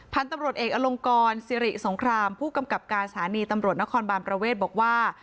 พันธุ์ตำรวจเอกอลงกรสิริสงครามผู้กำกับการสถานีตำรวจนครบานประเวทบอกว่า